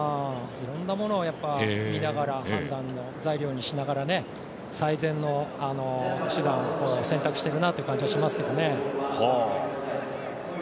いろんなものを見ながら判断しながら最善の手段を選択している感じはしますけどね。